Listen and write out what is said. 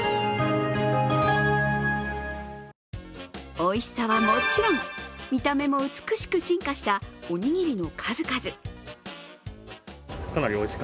おいしさはもちろん、見た目も美しく進化したおにぎりの数々。